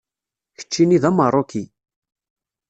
Keččini d Ameṛṛuki.